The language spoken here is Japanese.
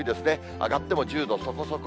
上がっても１０度そこそこ。